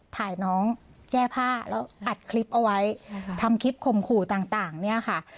ถ่ายน้องแก้ผ้าแล้วอัดคลิปเอาไว้ทำคลิปข่มขู่ต่างเนี่ยค่ะ